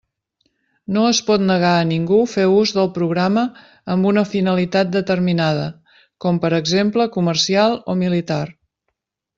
No es pot negar a ningú fer ús del programa amb una finalitat determinada, com per exemple comercial o militar.